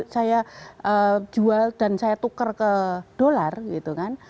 saya jual dan saya tukar ke dolar gitu kan